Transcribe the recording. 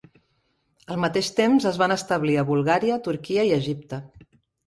Al mateix temps, es van establir a Bulgària, Turquia i Egipte.